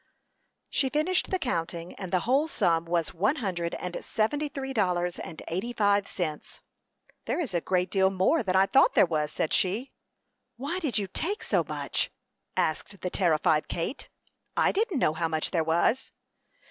She finished the counting; and the whole sum was one hundred and seventy three dollars and eighty five cents. "There is a great deal more than I thought there was," said she. "Why did you take so much?" asked the terrified Kate. "I didn't know how much there was."